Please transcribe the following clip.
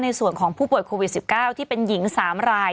ในส่วนของผู้ป่วยโควิด๑๙ที่เป็นหญิง๓ราย